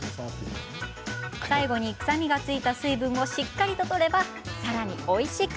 最後に、臭みがついた水分をしっかり取ればさらにおいしく。